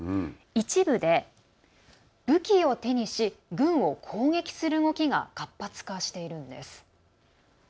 一部で武器を手にし軍を攻撃する動きが活発化しているんです。